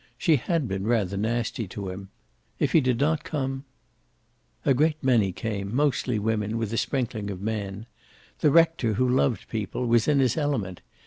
She had been rather nasty to him. If he did not come A great many came, mostly women, with a sprinkling of men. The rector, who loved people, was in his element.